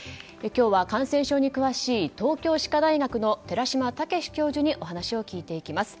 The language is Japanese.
今日は感染症に詳しい東京歯科大学の寺嶋毅教授にお話を聞いていきます。